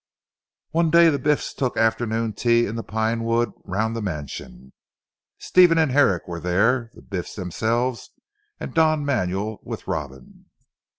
One day the Biffs took afternoon tea in the pine wood round the mansion. Stephen and Herrick were there, the Biffs themselves, and Don Manuel with Robin.